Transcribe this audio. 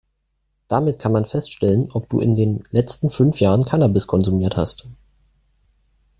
Damit kann man feststellen, ob du in den letzten fünf Jahren Cannabis konsumiert hast.